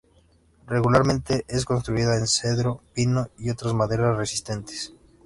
Regularmente es construida en cedro, pino y otras maderas resistentes.